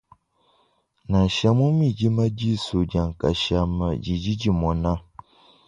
Nansha mu midima disu dia nkashama didi dimona.